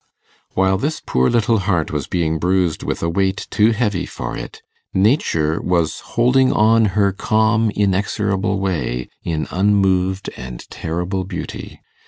While this poor little heart was being bruised with a weight too heavy for it, Nature was holding on her calm inexorable way, in unmoved and terrible beauty.